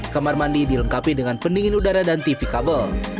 kamar mandi dilengkapi dengan pendingin udara dan tv kabel